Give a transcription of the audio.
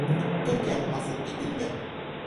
Kemkem hãã fuggi ɓil me.